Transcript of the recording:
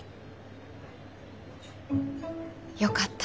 よかった。